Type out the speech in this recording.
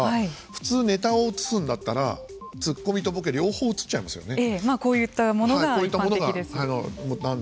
普通、ネタを映すんだったらツッコミとボケ、両方映っちゃいますよね。